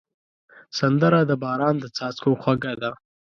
سندره د باران د څاڅکو خوږه ده